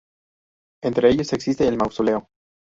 Entre ellos existe el mausoleo.